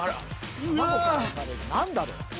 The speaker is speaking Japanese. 何だろう。